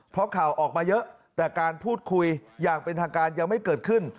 เพราะข่าวออกมาเยอะแต่การพูดคุยอย่างเป็นทางการยังไม่เกิดขึ้น